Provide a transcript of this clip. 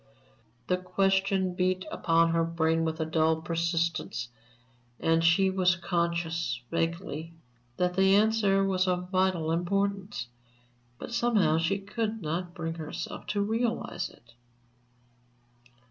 The question beat upon her brain with a dull persistence, and she was conscious, vaguely, that the answer was of vital importance, but somehow she could not bring herself to realize it.